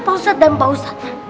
pak ustadz dan pak ustadz